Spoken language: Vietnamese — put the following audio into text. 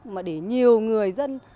mà để nhiều người dân